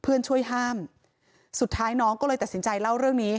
เพื่อนช่วยห้ามสุดท้ายน้องก็เลยตัดสินใจเล่าเรื่องนี้